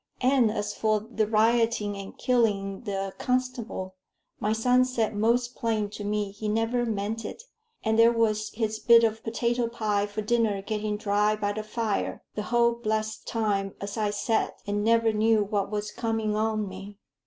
And as for the rioting and killing the constable my son said most plain to me he never meant it, and there was his bit of potato pie for dinner getting dry by the fire, the whole blessed time as I sat and never knew what was coming on me.